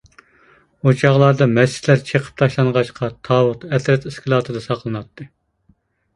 ئۇ چاغلاردا مەسچىتلەر چېقىپ تاشلانغاچقا، تاۋۇت ئەترەت ئىسكىلاتىدا ساقلىناتتى.